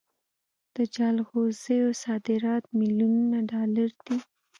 د جلغوزیو صادرات میلیونونه ډالر دي.